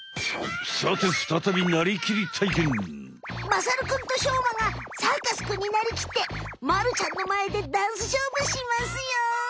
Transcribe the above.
まさるくんとしょうまがサーカスくんになりきってまるちゃんのまえでダンス勝負しますよ！